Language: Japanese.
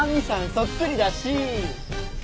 そっくりだし。